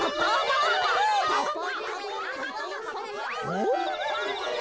おっ？